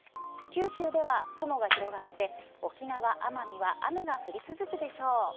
九州では雲が広がって沖縄奄美は雨が降り続くでしょう。